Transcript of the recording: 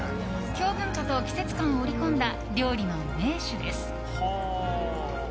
京文化と季節感を織り込んだ料理の名手です。